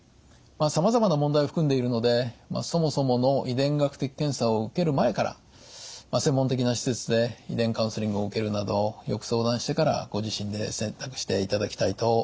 さまざまな問題を含んでいるのでそもそもの遺伝学的検査を受ける前から専門的な施設で遺伝カウンセリングを受けるなどよく相談してからご自身で選択していただきたいと思います。